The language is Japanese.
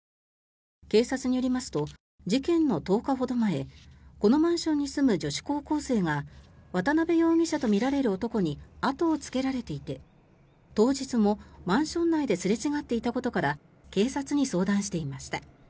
警察によりますと事件の１０日ほど前このマンションに住む女子高校生が渡辺容疑者とみられる男に後をつけられていて当日もマンション内ですれ違っていたことから警察に相談していました。